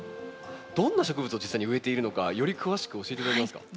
どんな植物を実際に植えているのかより詳しく教えて頂けますか？